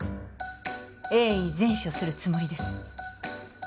鋭意善処するつもりです